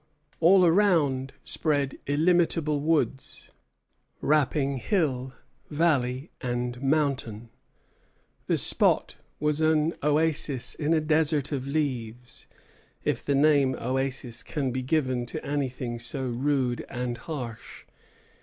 All around spread illimitable woods, wrapping hill, valley, and mountain. The spot was an oasis in a desert of leaves, if the name oasis can be given to anything so rude and harsh.